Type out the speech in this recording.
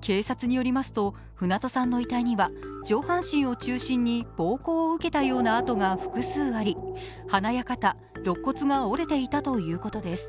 警察によりますと、船戸さんの遺体には、上半身を中心に暴行を受けたような痕が複数あり、鼻や肩、肋骨が折れていたということです。